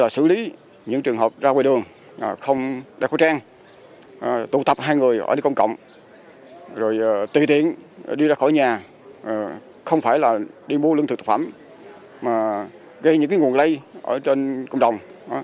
không đeo khẩu trang tụ tập hai người ở đây công cộng rồi tự tiện đi ra khỏi nhà không phải là đi mua lương thực thực phẩm mà gây những nguồn lây ở trên cộng đồng